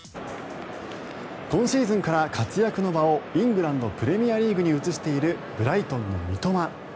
今シーズンから活躍の場をイングランド・プレミアリーグに移しているブライトンの三笘。